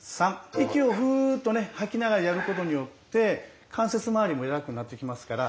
息をふっと吐きながらやることによって関節まわりも柔らかくなってきますから。